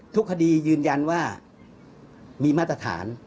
ทุกคดียืนยันว่ามีมาตรฐาน